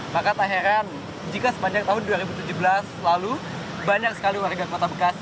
maka tak heran jika sepanjang tahun dua ribu tujuh belas lalu banyak sekali warga kota bekasi